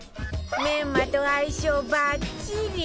メンマと相性バッチリ！